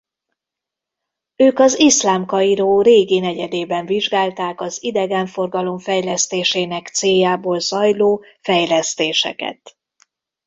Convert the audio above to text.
Ők az iszlám Kairó régi negyedében vizsgálták az idegenforgalom fejlesztésének céljából zajló fejlesztéseket.